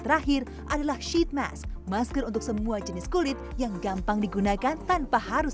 terakhir adalah sheet mass masker untuk semua jenis kulit yang gampang digunakan tanpa harus